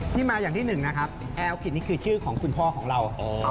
มาอย่างที่หนึ่งนะครับแอลกิตนี่คือชื่อของคุณพ่อของเรา